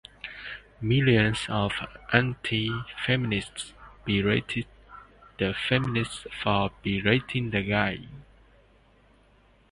millions of antifeminists berated the feminists for berating the guy